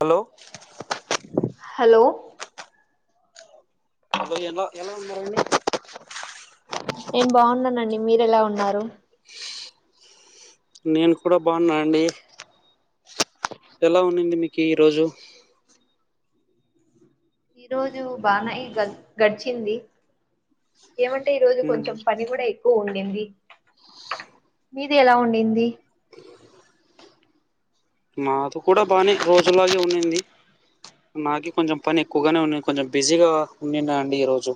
Hello hello హద ఎలా ఎలా ఉన్నారు అండి నేను బాగున్నానండి మీరు ఎలా ఉన్నారు నేను కూడా బాగున్నాను అండి ఎలా ఉన్నింది మీకు ఈరోోజు ఈ రోజు బానేయి గ గడిచింది ఏమంటే ఈ రోజు కొంచెం పని కూడా ఎక్కువ ఉండింది మీది ఎలా ఉండింది మాకు కూడా బానే రోజులాగే ఉన్నింది నాకి కొంచెం పని ఎక్కువగానే ఉ కొంచెం బిజీగా ఉన్నిన్న అండి ఈ రోోజు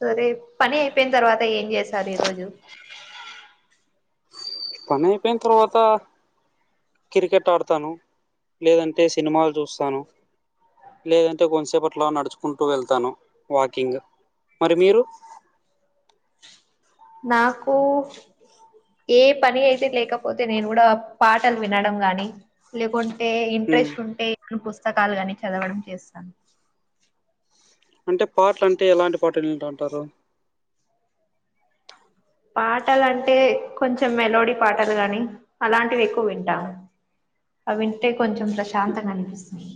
సరే పని అయిపోయిన తర్వాత ఏం చేసారు ఈరోోజు పని అయిపోయిన తర్వాత క్రికెట్ ఆడతాను లేదంటే సినిమాలు చూస్తాను లేదంటే కొంతసేపట్లా నడుచుకుంటూ వెళ్తాను వాకింగ్ మరి మీరు నాకు ఏ పని అయితే లేకపోతే నేను కూడా పాటలు వినడం గాని లేకుంటే అంటే ఉమ్, ఇంట్రెస్ట్ ఉంటే నే పుస్తకాలు గాని చదవడం చేస్తాను అంటే పాటలు అంటే ఎలాంటి పాటలు వింటాంటారు పాటలు అంటే కొంచెం మెలోడీ పాటలు గాని అలాంటివి ఎక్కువ వింటాము అ వింటే కొంచెం ప్రశాంతంగా అనిపిస్తుంది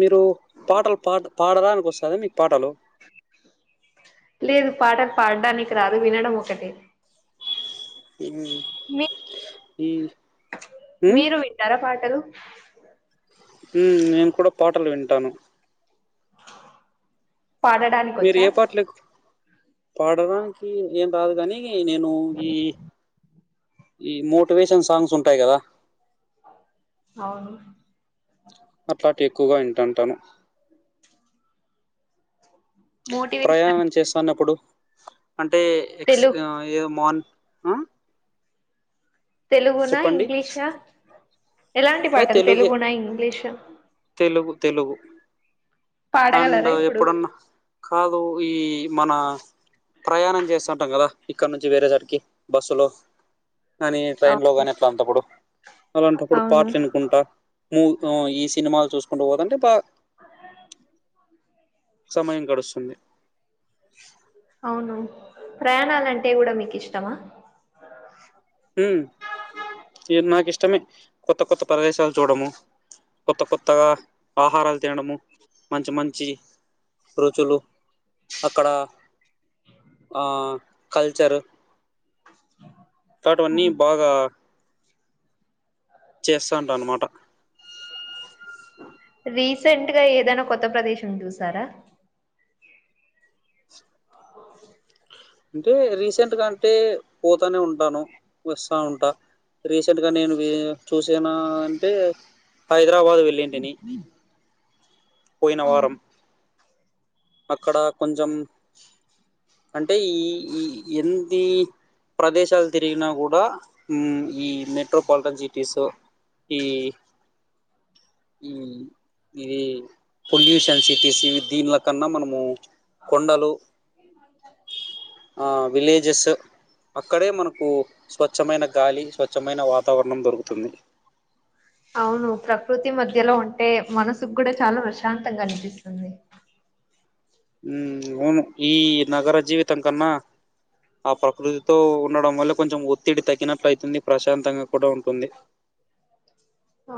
మీరు పాటలు పాడ పాడరానికు వస్తాదా మీకు పాటలు లేదు పాటలు పాడానికి రాదు వినడం ఒకటే మీ ఈ ఉమ్ మీరు వింటారా పాటలు ఉమ్ నేను కూడా పాటలు వింటాను పాడడానికి మీరు వచ్చా ఏ పాటలు ఎక్కు- పాడడానికి ఏం రాదు కానీ నేను ఈ ఈ మోటివేషన్ సాంగ్స్ ఉంటాయి కదా అవును అట్లాంటివి ఎక్కువగా వింటా అంటాను మోటివేషన్ ప్రయాణం చేస్తన్నప్పుడు అంటే ఎక్స్ తెలు ఆ ఏదో మార్నింగ్ అ తెలుగున ఇంగ్లీష్ న ఎలాంటి అదే పాటలు తెలుగే తెలుగున ఇంగ్లీష్ తెలుగు తెలుగు అండ్ పాడగలరా ఇప్పుడు ఎప్పుడన్న కాదు ఈ మన ప్రయాణం చేస్తుంటాం కదా ఇక్కడ నుంచి వేరేచోటుకి బస్సులో కానీ ట్రైన్ లో అవును గాని ఎట్లాంటప్పుడు అలాంటప్పుడు అవును పాట్లు ఇనుకుంటా మూ ఈ సినిమాలు చూసుకుంటూ పోదంటే బా సమయం గడుస్తుంది అవును ప్రయాణాలంటే కూడా మీకు ఇష్టమా ఉమ్ ఇది నాకు ఇష్టమే కొత్త కొత్త ప్రదేశాలు చూడము కొత్త కొత్తగా ఆహారాలు తినడము మంచి మంచి రుచులు అక్కడ ఆ కల్చర్ తాటవన్నీ బాగా చేస్తాంట అన్నమాట రీసెంట్గా ఏదైనా కొత్త ప్రదేశం చూసారా? అంటే రీసెంట్ గా అంటే పోతానే ఉంటాను వస్తా ఉంటా రీసెంట్ గా నేను చూసాన అంటె హై ద్రబాదు వెళ్ళింటిని పోయిన వారం అక్కడ కొంచెం అంటె ఈ ఈ ఇంది ప్రదేశాలు తిరిగినా కూడా ఉమ్ ఈ మెట్రోపాలిటన్ సిటీసు ఈ ఈ ఇది పొల్యూషన్ సిటీస్ ఇ దీనిల కన్న మనము కొండలు ఆ విలేజస్స్ అక్కడే మనకు స్వచ్ఛమైన గాలి స్వచ్ఛమైన వాతావరణం దొరుకుతుంది. అవును ప్రకృతి మధ్యలో ఉంటే మనసుకు కూడా చాలా ప్రశాంతంగా అనిపిస్తుంది. ఉమ్ అవును ఈ నగర జీవితం కన్నా ఆ ప్రకృతితో ఉండడం వల్ల కొంచెం ఒత్తిడి తగినట్లు అయితుంది ప్రశాంతంగా కూడా ఉంటుంది అ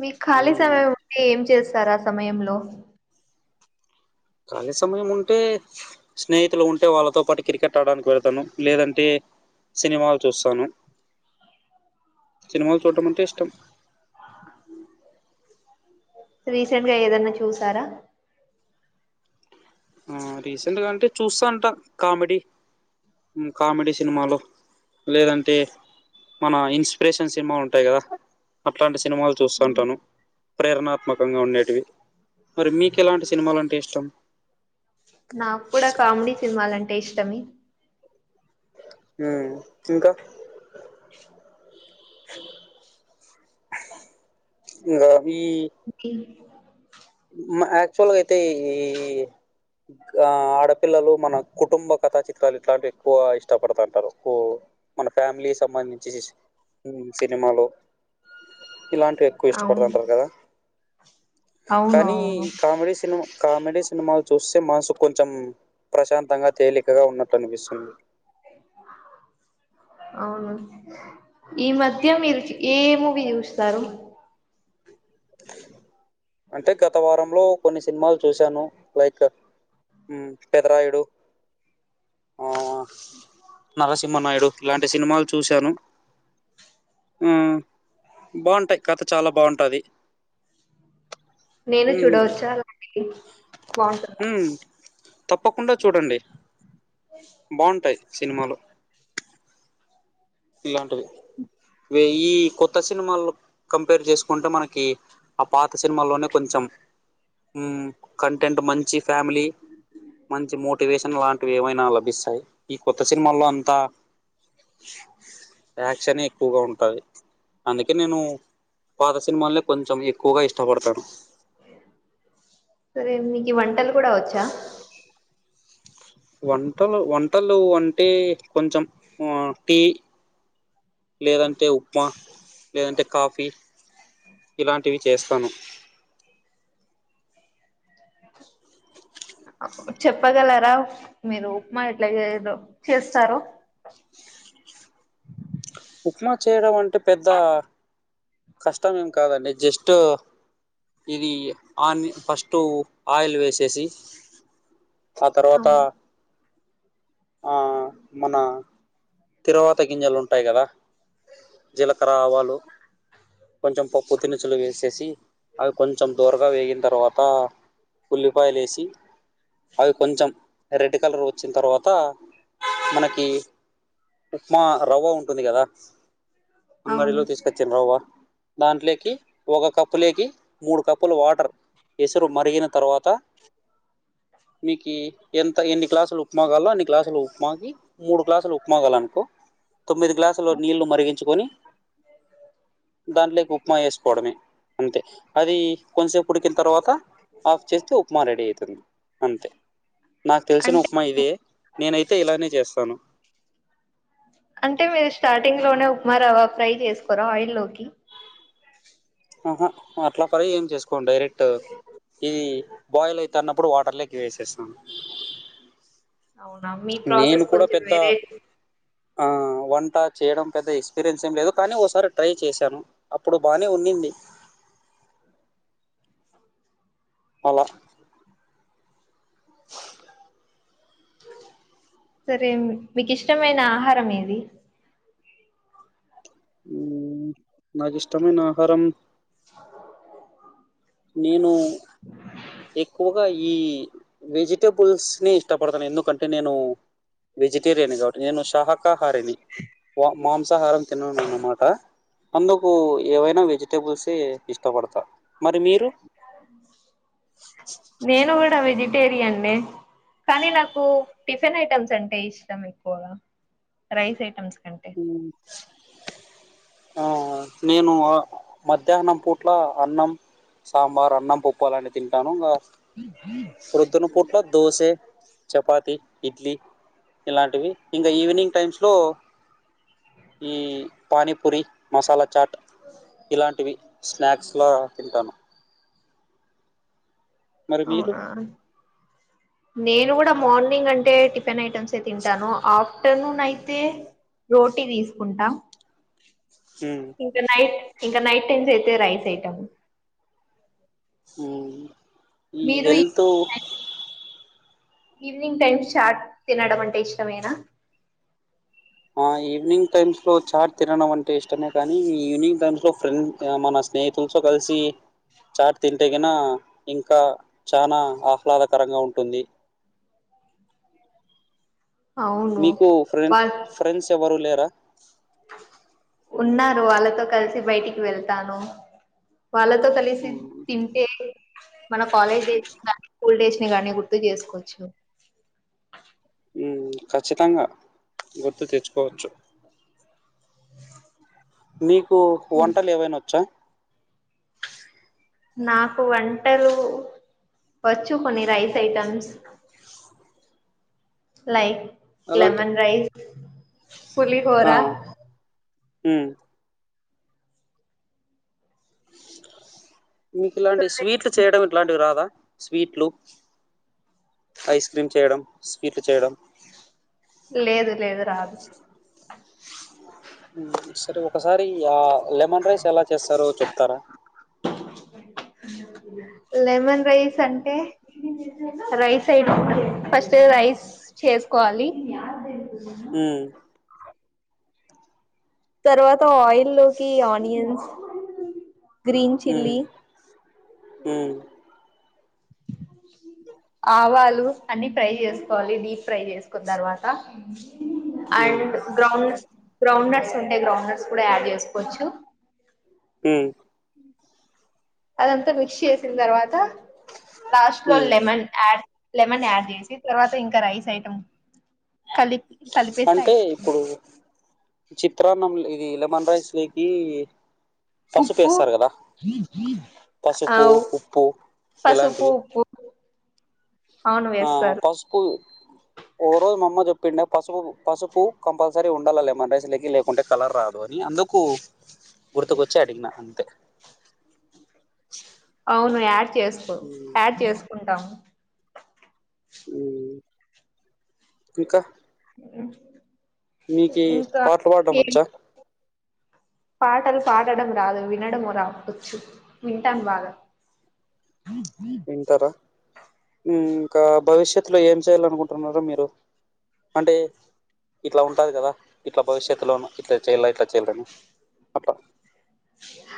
మీకు ఖాళీ మ్ సమయం ఉంటే ఏం చేస్త స్తరా ఆ సమయంలో ఖాళీ సమయం ఉంటె స్నేహితులు ఉంటె వాళ్ళతో పాటు క్రికెట్ ఆడడానికి వెళతాను లేదంటే సినిమాలు చూస్తాను సినిమాలు చూడటం అంటే ఇష్టం. రీసెంట్గా ఏదన్నా చూసారా ఆ రీసెంట్గా అంటే చూస్తాంట కామెడీ ఉమ్ కామెడీ సినిమాలు లేదంటే మన ఇన్స్పిరేషన్ సినిమా ఉంటాయి కదా అట్లాంటి సినిమాలు హ్మ్. చూస్తుంటాను ప్రేరణాత్మకంగా ఉండేటివి. మరి మీకేలాంటి సినిమాలంటే ఇష్టం నాకు కూడా కామెడీ సినిమాలంటే ఇష్టమే ఉ ఇంకా ఇంగా ఇంకేం మా యాక్చ్యువల్ అయితే తేయి గా ఆడపిల్లలు మన కుటుంబ కథ చిత్ పలు ఇట్లాంటివి ఎక్కువ ఇష్టపడతంటారు మన ఫ్యామిలీ సంబంధించి చేసి ఉమ్ సినిమాలు [inaudible] ఇలాంటివి ఎక్కువ అవును ఇష్టపడుతుంటారు కదా అవును కానీ అవును కామెడీ సినిమా కామెడీ సినిమాలు చూస్ మనసుకి కొంచం ప్రశాంతంగా తేలికగా ఉన్న టనిపిస్తుంది అవును ఈ మధ్య మీరు ఏ ఏ మూవీ చూస్తారు [inaudible] అంటే గత వారంలో కొన్ని సినిమాలు చూశాను లైకు ఉ పెదరాయుడు [inaudible] నరసింహనాయుడు ఇలాంటి సినిమాలు చూశాను ఉ బాగుంటాయి కథ చాలా బాగుంటుది నేను చూడవచ్చా అలానే బాగుంటుందా తప్పకుండా చూడండి బావుటాయ్ సినిమాలు ఇలాంటివి వెయ్యి కొత్త సినిమాలు కంపేర్ చేసుకుంటే మనకి ఆ పాత సినిమాలోనే కొంచెం ఉ కంటెంట్ మంచి ఫ్యామిలీ మంచి మోటివేషన్ లాంటివి ఏమైనా లభిస్తాయి ఈ కొత్త సినిమాల్లో అంతా [inaudible] యాక్షనే ఎక్కువగా ఉంటది అందుకే నేను పాత సినిమాల్లే కొంచెం ఎక్కువగా ఇష్ట పడతాను ఈ వంటలు కూడా వచ్చా వంటలు వంటలు అంటే కొంచెం ఆ టీ లేదంటే ఉప్మా లేదంటే కాఫీ ఇలాంటివి చేస్తాను [inaudible] చెప్పగలరాా మీరు ఉప్మా ఎట్లా ఏదో చేస్తారో [inaudible] ఉప్మా చేయడం అంటే పెద్ద కష్టమేమి కాదండి జస్టు ఇదీ ఆని ఫస్టూ ఆయిల్ వేసేసి ఆ తర్వాతా అవును ఆ మనా తిరువాత గింజలుంటాయి గదా జీలకర ఆవాలు కొంచం పప్పు దినుసులు వేసేసీ అవి కొంచం దోరగా వేగిన్ తర్వాతా ఉల్లిపాయలేసి అవి కొంచం రె డ్ కలర్ వొచ్చిన్ తర్వాతా మనకీ ఉప్మా రవ్వ ఉంటుంది గదా అంగడిలో అవును తీసుకొచ్చిన్ రవ్వ దాంట్లకి ఒక కప్పు లేకి మూడు కప్పులు వాటర్ ఎసరు మరిగిన తరువాత మీకీ ఎంత ఎన్ని గ్లాసులు ఉప్మా గావల్లో అన్ని గ్లాసులు ఉప్మాకి మూడు గ్లాసులు ఉప్మాగాలనుకో తొమ్మిది గ్లాసుల నీళ్లు మరిగించుకొని [inaudible] దాంట్లోకి ఉప్మా ఏసుకోవడమే అంతె అదీ కొన్ సేప్ ఉడికిన్ తర్వాత ఆఫ్ చేస్తె ఉప్మా రెడీ అయితుంది అంతె నాకు తెలిసిన ఉప్మా అంటే ఇదే నేనైతే ఇలానే చేస్తాను. అంటె మీరు స్టార్టింగ్ లోనే ఉప్మా రవ ఫ్రై చేసుకొరా ఆయిల్ లోకి అహ అట్లా ఫ్రై ఏం చేసుకోం డైరెక్ట్ ఇదీ బోయిల్ అయితన్నప్పుడు వాటర్ లకి వేసేస్తాను అవునా మీ నేను ప్రోసెస్ కూడా కొంచెం పెద్ద వేరే ఆ వంటా చేయడం పెద్ద ఎక్స్పీరియన్స్ ఏం లేదు కానీ ఓసారి ట్రై చేశాను అప్పుడు బానే ఉండింది అల సరే మీకిష్టమైన ఆహారం ఏది ఊ నాకిష్టమైన ఆహారం నేనూ ఎక్కువగా ఈ వెజిటెబుల్స్ ని ఇష్టపడతను ఎందుకంటె నేనూ వెజిటేరియన్ ని గావట్టి నేను శహక కాహారిని వా మాంసాహారం తిననన్నమాట అందుకూ ఏవైనా వెజిటేబుల్సే ఇష్టపడత మరి మీరు టేరియన్ నే కానీ నాకు టిఫెన్ ఐటమ్స్ అంటే ఇష్టం ఎక్కువగా రైస్ ఐటమ్స్ కంటే ఊ ఆ నేనూ ఆ మధ్యాహ్నం పూట్లా అన్నం సాంబార్ అన్నం పొప్పు అలాంటి తింటాను ఇంగా ప్రొద్దున పూట్ల దోసే చపాతి ఇడ్లీ ఇలాంటివి ఇంగ ఈవినింగ్ టైమ్స్ లో ఈ పానీ పూరి మసాలా చాట్ ఇలాంటివి స్నాక్స్ లా తింటాను. మరి మీరు అవునా నేను గడ మోర్నింగ్ అంటే టి ఫెన్ ఐటమ్సే తింటానూ ఆఫ్ టర్నూన్ అయితే రోటి దీసుకుంటా మ్మ్ ఇంక నైట్ ఇంక నైట్ టైమ్స్ అయితే రైస్ ఐటమ్ ఊ ఈ మీరు హెల్తూ ఈవినింగ్ టైమ్ చాట్ తినడం అంటే ఇష్టమేనా ఆ ఈవినింగ్ టైమ్స్ లో చాట్ తినడం అంటే ఇష్టమే కానీ ఈవినింగ్ టైమ్స్ లో ఫ్రెండ్ మన స్నేహితులతో కలిసి చాట్ తి గిన ఇంకా చాలా ఆహ్లాదకరంగా ఉంటుంది అవును మీకు ఫ్రెం వా ఫ్రెండ్స్ ఎవరు లేరా ఉన్నారు వాళ్ళతో కలిసి బయటికి వెళ్తాను వాళ్ళతో కలిసి మ్మ్ తింటే మన కాలేజ్ డేస్ కానీ స్కూల్ డేస్ కాని గుర్తు చేసుకోవచ్చు ఉమ్ ఖచ్చితంగా గుర్తు తెచ్చుకోవచ్చు మీకు వంటలు ఏవైనా వచ్చా నాకు వంటలు వచ్చు కొన్ని రైస్ ఐటమ్స్ లైక్ అలాంటి లెమన్ రైస్ పులిహోరా ఉం మీకు ఇలాంటి స్వీట్లు చేయడం ఇట్లాంటివి రాదా స్వీట్లు ఐస్ క్రీమ్ చేయడం స్వీట్లు చేయడం లేదు లేదు రాదు సరే ఒకసారి ఆ లెమన్ రైస్ ఎలా చేస్తారో చెప్తారా లెమన్ రైస్ అంటే రైస్ ఫస్ట్ రై రైస్ చేసుకోవాలి ఉమ్ తర్వాత ఆయిల్ లోకి ఆనియన్స్ గ్రీన్ ఉ చిల్లీ ఉ ఆవాలు అన్ని ఫ్రై చేసుకోవాలి డీప్ ఫ్రై చేసుకున్న తర్వాత ఉమ్ అండ్ గ్రౌండ్ గ్రౌండ్ ఉంటే గ్రౌండ్ నట్స్ కూడా యాడ్ చేసుకోవచ్చు. ఉ అదంతా మిక్స్ చేసిన తర్వాత లాస్ట్ లో ఉమ్ లెమన్ యాడ్ లెమన్ యాడ్ చేసి తర్వాత ఇంకా రైస్ ఐటం అంటే ఇప్పుడు చిత్రాన్నం లెమన్ రైస్ లోకి పసుపు ఉప్పు వేస్తారు కదా ఆ పసుపు ఉప్పు పసుపు ఇలాంటివి ఉప్పు అవును ఆ వేస్తారు పసుపు ఓ రోజు మమ్మది పిండి పసుపు పసుపు కంపల్సరీ ఉండాల లేమన్ రైసులకి లేకుంటే కలర్ రాదు అని అందుకు గుర్తుకు కొచ్చే అడిగినా అంతే అవును యాడ్ చేసుకో ఉమ్ యాడ్ చేసుకుంటాము ఉ ఇంకా మీకి ఇంకా పాటలు పాడడం ఏ వచ్చా పాటలు పాడడం రాదు వినడం రా వచ్చు వింటాన్ బాగా వింటారా ఇంకా భవిష్యత్లో ఏం చేయాలనుకుంటున్నారూ మీరు అంటే ఇట్లా ఉంటుంది కదా ఇట్లా భవిష్యత్తులో ఇట్లా చెయాల ఇట్లా చేయాలని అట్లా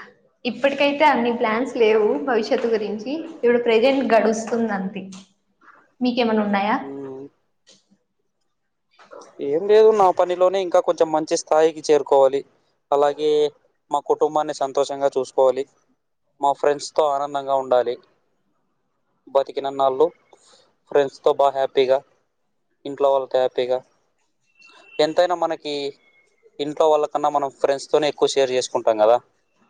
అ ఇప్పటికైతే అన్ని ప్లాన్స్ లేవు భవిష్యత్తు గురించి ఇప్పుడు ప్రెజెంట్ గడుస్తుంది అంతే మీకేమన్నా ఉన్నాయా మ్మ్. ఏం లేదు నా పనిలోనే ఇంకా కొంచెం మంచి స్థాయికి చేరుకోవాలి అలాగే మా కుటుంబాన్ని సంతోషంగా చూసుకోవాలి మా ఫ్రెండ్స్ తో ఆనందంగా ఉండాలి బతికిననాళ్ళు ఫ్రెండ్స్ తో బాగా హ్యాపీగా ఇంట్లో వాళ్ళతో హ్యాపీ ప్పేగా ఎంతైనా మనకి ఇంట్లో వాళ్ళ కన్నా మనం ఫ్రెండ్స్ తోనే ఎక్కువ షేర్ చేసుకుంటాం కదా